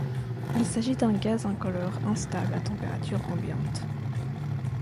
Il s'agit d'un gaz incolore instable à température ambiante.